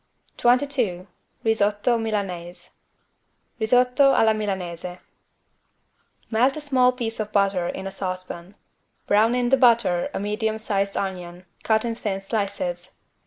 22 RISOTTO MILANAISE (Risotto alla Milanese) Melt a small piece of butter in a saucepan. Brown in the butter a medium sized onion, cut in thin slices.